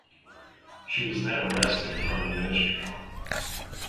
She was then arrested from the Ministry.